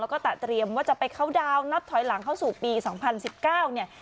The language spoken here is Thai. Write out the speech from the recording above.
แล้วก็ตะเตรียมว่าจะไปเข้าดาวน์นับถอยหลังเข้าสู่ปี๒๐๑๙เนี่ย